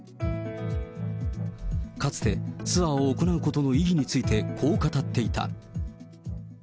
かつてツアーを行うことの意義について、こう語っていた。